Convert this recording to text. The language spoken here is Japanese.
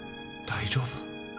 大丈夫？